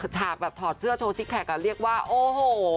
ฉากแบบถอดเสื้อโชว์ซิกแพคเรียกว่าโอ้โห